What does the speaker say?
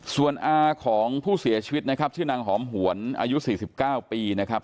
ส่วนอาของผู้เสียชีวิตนะครับชื่อนางหอมหวนอายุ๔๙ปีนะครับ